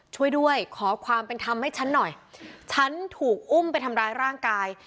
ช่วยด้วยขอความเป็นธรรมให้ฉันหน่อยฉันถูกอุ้มไปทำร้ายร่างกาย